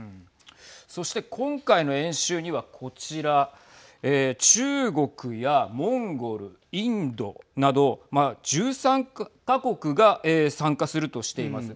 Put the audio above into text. そして今回の演習には、こちら中国やモンゴル、インドなど１３か国が参加するとしています。